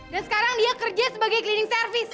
dan sekarang dia kerja sebagai cleaning service